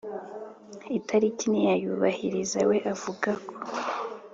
itariki ntiyayubahiriza we avuga ko